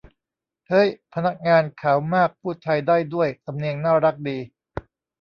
เฮ้ย พนักงานขาวมากพูดไทยได้ด้วย สำเนียงน่ารักดี